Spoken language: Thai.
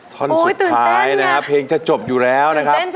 ท่อนสุดท้ายนะครับเพลงจะจบอยู่แล้วนะครับ